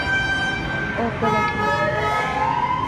او اگے بیٹھی نی سی